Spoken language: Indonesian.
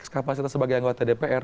kapasitas sebagai anggota dpr